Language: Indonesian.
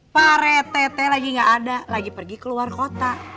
pare teteh lagi gak ada lagi pergi keluar kota